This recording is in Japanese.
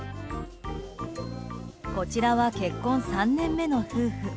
こちらは結婚３年目の夫婦。